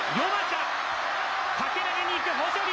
掛け投げにいく豊昇龍。